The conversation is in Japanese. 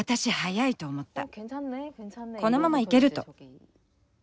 このままいけると。